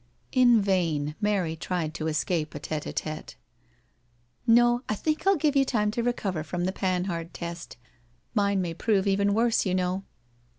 In vain Mary tried to escape a tite^d^iSte. " No, I think I'll give you time to recover from the Panhard test. Mine may prove even worse, you know."